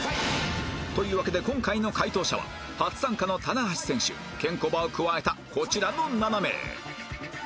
というわけで今回の解答者は初参加の棚橋選手ケンコバを加えたこちらの７名